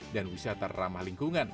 dan wisata ramah lingkungan